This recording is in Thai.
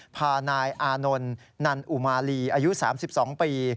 พานายอานนท์นันอุมาลีอายุ๓๒ปี